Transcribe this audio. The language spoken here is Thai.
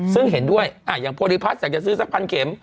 ซึ่งเห็นด้วยอย่างโพลิพัฒน์อยากจะซื้อสักพันเข็ม